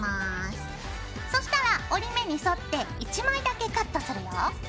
そしたら折り目に沿って１枚だけカットするよ。